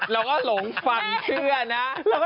เราก็หลงฟังเชื่อนะ